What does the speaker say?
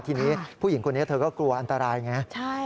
ทีนี้ผู้หญิงคนนี้เธอก็กลัวอันตรายไง